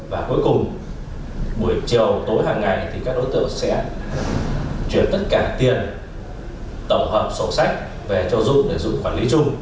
và cuối cùng buổi chiều tối hằng ngày thì các đối tượng sẽ chuyển tất cả tiền tổng hợp sổ sách về cho dũng để dụng quản lý chung